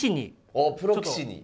おっプロ棋士に。